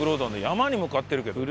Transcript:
山に向かってるけど。